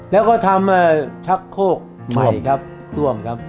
แล้วก็ทำชักโคกใหม่ครับท่วมครับ